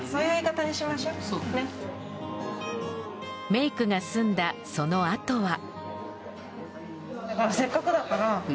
メイクが済んだそのあとは。